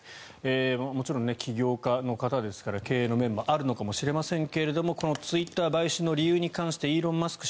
もちろん起業家の方ですから経営の面もあるのかもしれませんがこのツイッター買収の理由に関してイーロン・マスク